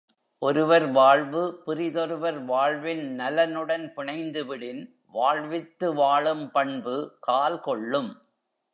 ஒருவர் வாழ்வு, பிறிதொருவர் வாழ்வின் நலனுடன் பிணைந்துவிடின் வாழ்வித்து வாழும் பண்பு கால் கொள்ளும்.